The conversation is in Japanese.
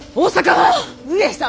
上様！